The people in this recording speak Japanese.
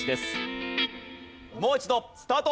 もう一度スタート。